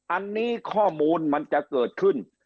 อันนี้ข้อมูลมันจะเกิดขึ้น